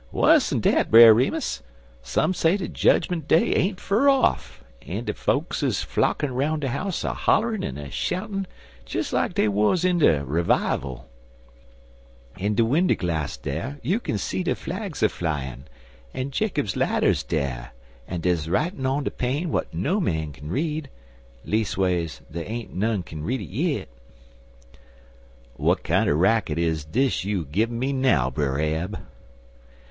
"Wuss'n dat, Brer Remus. Some say dat jedgment day ain't fur off, an' de folks is flockin' 'roun' de house a hollerin' an' a shoutin' des like dey wuz in er revival. In de winder glass dar you kin see de flags a flyin', an' Jacob's lather is dar, an' dar's writin' on de pane w'at no man can't read leas'wise dey ain't none read it yit." "W'at kinder racket is dis you er givin' un me now, Brer Ab?"